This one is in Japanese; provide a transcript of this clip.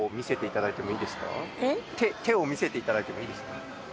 手を見せていただいてもいいですか？